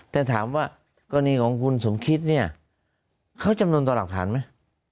แต่ถามว่ากรณีของคุณสมคิดเนี่ยเขาจำนวนต่อหลักฐานไหม